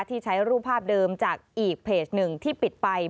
ที่ใช้รูปภาพเดิมจากอีกเพจหนึ่งที่ปิดไป